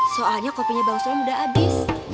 soalnya kopinya bangsa udah habis